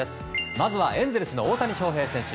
まずはエンゼルスの大谷翔平選手。